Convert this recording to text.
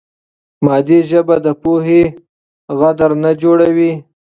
مادي ژبه د پوهې غدر نه جوړوي.